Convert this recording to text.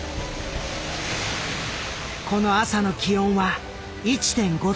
この朝の気温は１．５度。